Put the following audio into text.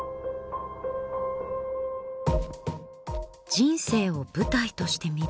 人生を舞台として見る。